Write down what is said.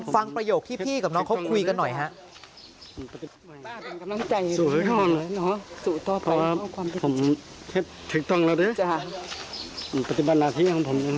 ประโยคที่พี่กับน้องเขาคุยกันหน่อยฮะ